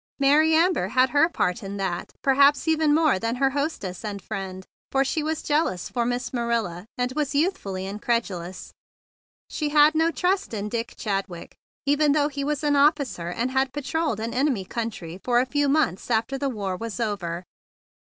Mary Amber had her part in that, perhaps even more than her hostess and friend; for Mary Amber was jealous for Miss Marilla, and Mary Amber was youthfully incredulous. She had no trust in Dick Chadwick, even though he was an officer and had patrol¬ led an enemy country for a few months after the war was over.